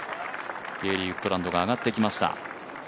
ゲーリー・ウッドランドが上がってきました。